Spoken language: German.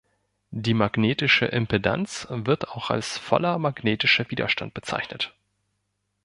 Die magnetische Impedanz wird auch als "voller" magnetischer Widerstand bezeichnet.